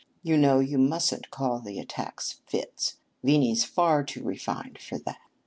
You know you mustn't call the attacks 'fits.' Venie's far too refined for that."